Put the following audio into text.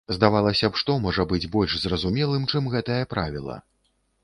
Здавалася б, што можа быць больш зразумелым, чым гэтае правіла.